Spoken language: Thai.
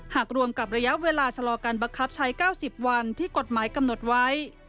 รวมกับระยะเวลาชะลอการบังคับใช้๙๐วันที่กฎหมายกำหนดไว้